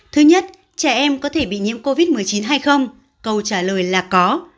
thứ nhất trẻ em có thể bị nhiễm covid một mươi chín hay không câu trả lời là có